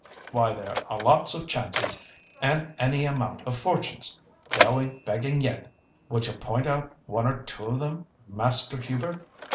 Why, there are lots of chances, and any amount of fortunes, going begging yet." "Would you point out one or two of them, Master Hubert?"